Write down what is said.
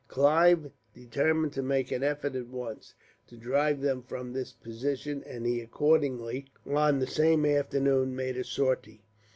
Clive determined to make an effort, at once, to drive them from this position, and he accordingly, on the same afternoon, made a sortie.